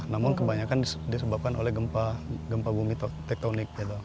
namun kebanyakan disebabkan oleh gempa bumi tektonik